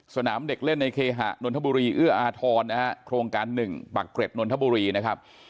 สนามเด็กเล่นในเคหะนนทบุรีเอื้ออาทรนะฮะโครงการ๑ปักเกร็ดนนทบุรีนะครับ